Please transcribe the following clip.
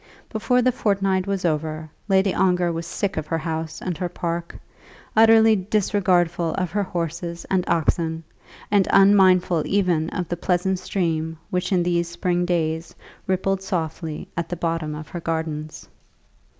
Before the fortnight was over, Lady Ongar was sick of her house and her park, utterly disregardful of her horses and oxen, and unmindful even of the pleasant stream which in these spring days rippled softly at the bottom of her gardens.